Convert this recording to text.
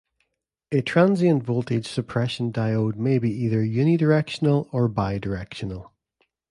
A transient-voltage-suppression diode may be either unidirectional or bidirectional.